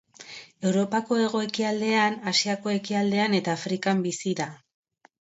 Europako hego-ekialdean, Asiako ekialdean eta Afrikan bizi da.